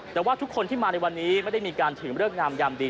แต่ว่าทุกคนที่มาในวันนี้ไม่ได้มีการถือเลิกงามยามดี